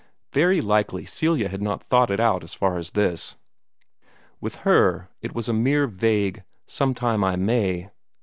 Very likely Celia had not thought it out as far as this. With her, it was a mere vague "sometime I may."